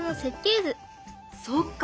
そっか。